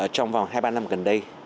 trong vòng hai ba năm gần đây